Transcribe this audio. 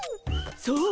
そう？